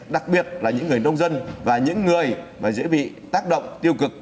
đặc biệt là những người nông dân và những người dễ bị tác động tiêu cực